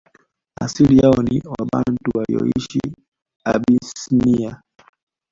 Asili yao ni Wabantu walioishi Abysinia